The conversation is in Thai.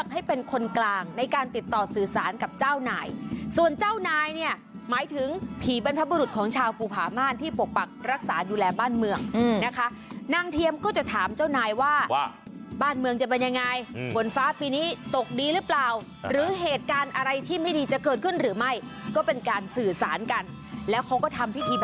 ให้เป็นคนกลางในการติดต่อสื่อสารกับเจ้านายส่วนเจ้านายเนี่ยหมายถึงผีบรรพบุรุษของชาวภูผาม่านที่ปกปักรักษาดูแลบ้านเมืองนะคะนางเทียมก็จะถามเจ้านายว่าว่าบ้านเมืองจะเป็นยังไงฝนฟ้าปีนี้ตกดีหรือเปล่าหรือเหตุการณ์อะไรที่ไม่ดีจะเกิดขึ้นหรือไม่ก็เป็นการสื่อสารกันแล้วเขาก็ทำพิธี